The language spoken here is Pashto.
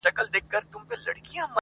خو ده ويله چي په لاره کي خولگۍ نه غواړم,